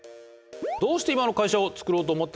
どうして今の会社を作ろうと思ったんでしょうか？